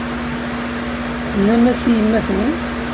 Tennam-as i yemma-twen?